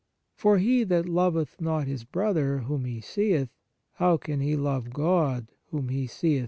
For he that loveth not his brother, whom he seeth, how can he love God, whom he seeth not